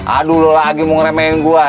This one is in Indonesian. aduh lu lagi mau ngeremehin gua